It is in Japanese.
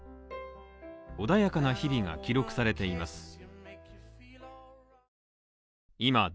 穏やかな日々が記録されています。